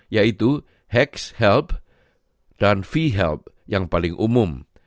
yaitu hex help dan v help yang paling umum